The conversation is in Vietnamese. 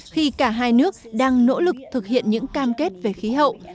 khi cả hai nước đang nỗ lực thực hiện những cam kết về khí hậu